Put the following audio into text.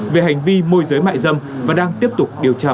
về hành vi môi giới mại dâm và đang tiếp tục điều tra mở rộng